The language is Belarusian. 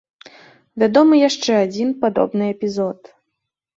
Вядомы яшчэ адзін падобны эпізод.